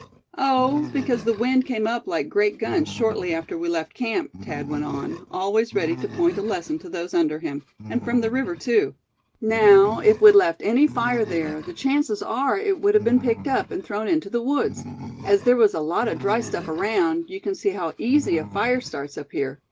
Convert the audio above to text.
"Oh! because the wind came up like great guns shortly after we left camp," Thad went on, always ready to point a lesson to those under him; "and from the river, too. Now, if we'd left any fire there, the chances are it would have been picked up, and thrown into the woods. As there was a lot of dry stuff around, you can see how easy a fire starts up here.